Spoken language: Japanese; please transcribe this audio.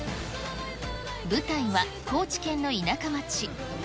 舞台は高知県の田舎町。